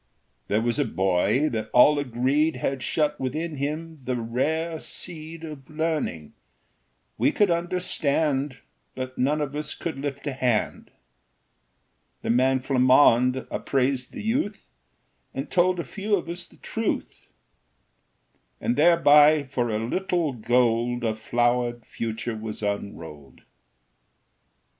There was a boy that all agreed Had shut within him the rare seed Of learning. We could understand, But none of us could lift a hand. The man Flammonde appraised the youth, And told a few of us the truth; And thereby, for a little gold, A flowered future was unrolled.